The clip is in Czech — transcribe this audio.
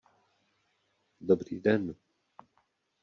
Dobrý den.